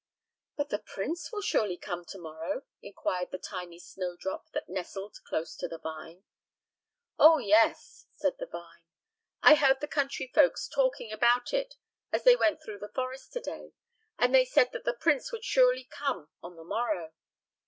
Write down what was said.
"But the prince will surely come to morrow?" inquired the tiny snowdrop that nestled close to the vine. "Oh, yes," said the vine. "I heard the country folks talking about it as they went through the forest to day, and they said that the prince would surely come on the morrow."